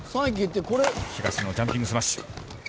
東野ジャンピングスマッシュ。